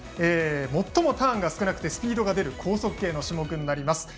最もターンが少なくてスピードが出る高速系の種目です。